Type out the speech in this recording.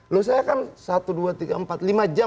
loh saya kan satu dua tiga empat lima jam